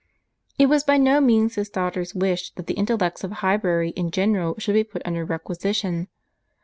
It was by no means his daughter's wish that the intellects of Highbury in general should be put under requisition.